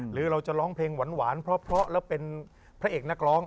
หรือเราจะร้องเพลงหวานเพราะแล้วเป็นพระเอกนักร้อง